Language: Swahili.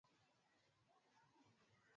wadau hawa wanajumuisha taasisi za kifedha